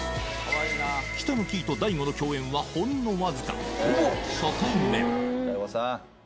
北乃きいと大悟の共演はほんのわずかほぼ初対面